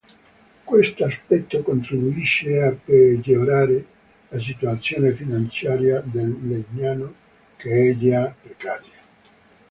Questo aspetto contribuisce a peggiorare la situazione finanziaria del Legnano, che è già precaria.